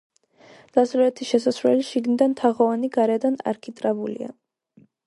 დასავლეთი შესასვლელი შიგნიდან თაღოვანი, გარედან არქიტრავულია.